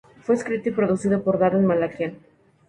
Fue escrito y producido por Daron Malakian.